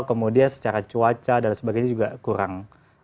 kemudian secara cuaca dan sebagainya juga kurang